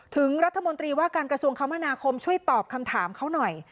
ถึงรัฐมนตรีว่าการกระทรวงคมนาคมช่วยตอบคำถามเขาหน่อย